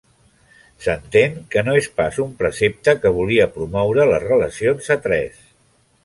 S'entén que no és pas un precepte que volia promoure les relacions a tres.